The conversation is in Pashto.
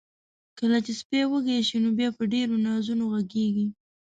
کله چې سپی وږي شي، نو بیا په ډیرو نازونو غږیږي.